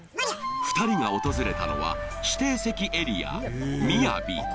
２人が訪れたのは指定席エリア・ＭＩＹＡＢＩ。